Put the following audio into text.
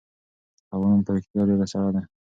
هوا نن په رښتیا ډېره سړه ده.